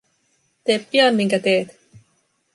Tee pian minkä teet.